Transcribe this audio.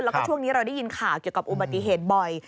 แล้วก็ช่วงนี้เราได้ยินข่าวเกี่ยวกับอุบัติเหตุบ่อย